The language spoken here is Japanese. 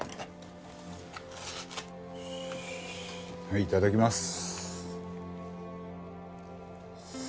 はいいただきます。